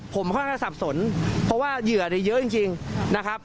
ผมค่อนข้างสับสนเพราะว่าเหยื่อเนี่ยเยอะจริงนะครับ